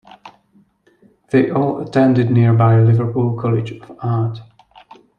They all attended nearby Liverpool College of Art.